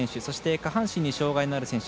下半身に障がいのある選手